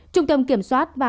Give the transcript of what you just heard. trung tâm kiểm soát và